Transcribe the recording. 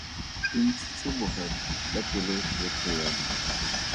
Ke ntshitse bogadi ka pelo yotlhe ya me.